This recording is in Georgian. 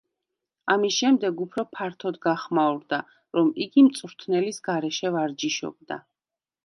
ამის შემდეგ უფრო ფართოდ გახმაურდა, რომ იგი მწვრთნელის გარეშე ვარჯიშობდა.